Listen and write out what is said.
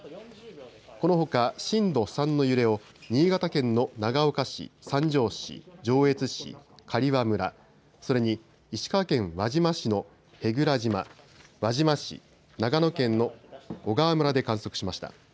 このほか震度３の揺れを新潟県の長岡市、三条市、上越市、刈羽村、それに石川県輪島市の舳倉島、輪島市、長野県の小川村で観測しました。